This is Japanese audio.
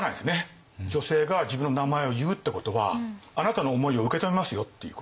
女性が自分の名前を言うってことはあなたの思いを受け止めますよっていうこと。